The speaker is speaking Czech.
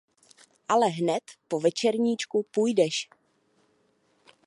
Ale hned po večerníčku půjdeš!